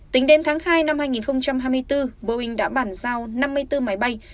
tính đến tháng hai năm hai nghìn hai mươi bốn boeing đã bản giao năm mươi bốn máy bay